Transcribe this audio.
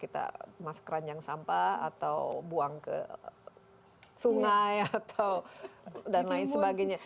kita masuk keranjang sampah atau buang ke sungai atau dan lain sebagainya